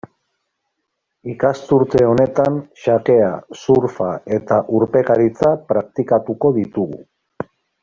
Ikasturte honetan xakea, surfa eta urpekaritza praktikatuko ditugu.